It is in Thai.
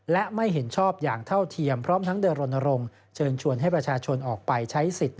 และให้ประชาชนออกไปใช้สิทธิ์